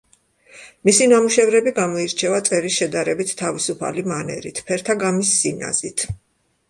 მისი ნამუშევრები გამოირჩევა წერის შედარებით თავისუფალი მანერით, ფერთა გამის სინაზით.